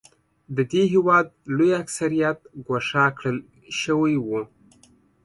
د دې هېواد لوی اکثریت ګوښه کړل شوی و.